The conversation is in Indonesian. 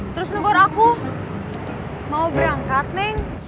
terus negor aku mau berangkat neng